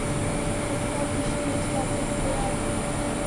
پسه د شنو ساحو ښکلا ده.